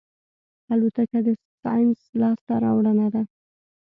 الوتکه د ساینس لاسته راوړنه ده.